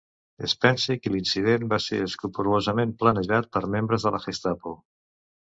Es pense que l'incident va ser escrupolosament planejat per membres de la Gestapo.